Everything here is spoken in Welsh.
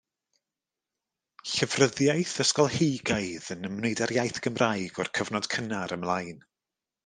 Llyfryddiaeth ysgolheigaidd yn ymwneud â'r iaith Gymraeg o'r cyfnod cynnar ymlaen.